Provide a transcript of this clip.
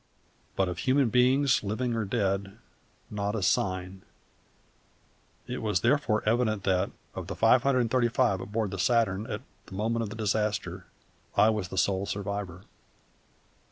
But of human beings, living or dead, not a sign; it was therefore evident that, of the five hundred and thirty five aboard the Saturn at the moment of the disaster, I was the sole survivor.